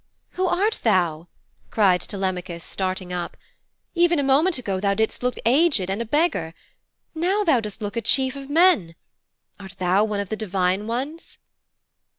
'Who art thou?' cried Telemachus, starting up. 'Even a moment ago thou didst look aged and a beggar! Now thou dost look a chief of men! Art thou one of the divine ones?'